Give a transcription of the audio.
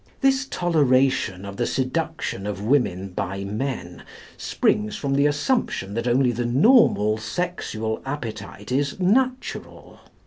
This toleration of the seduction of women by men springs from the assumption that only the normal sexual appetite is natural.